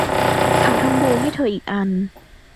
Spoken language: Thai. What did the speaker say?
เขาทำโบว์ให้เธออีกอัน